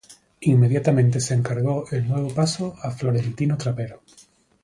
Inmediatamente se encargó el nuevo paso a Florentino Trapero.